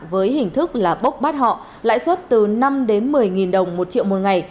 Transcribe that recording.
với hình thức là bốc bắt họ lãi suất từ năm một mươi đồng một triệu mỗi ngày